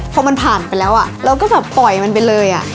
พอมันผ่านไปแล้วเราก็แบบปล่อยมันไปเลย